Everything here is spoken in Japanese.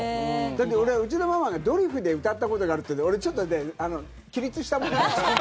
だって俺、うちのママが「ドリフ」で歌ったことがあるっていうんで俺、ちょっとね起立したもんね。